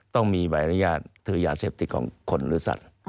ต้องมีบรรยายาศถือยาเซฟติกของคนหรือสัตว์